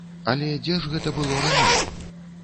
Але дзе ж гэта было раней?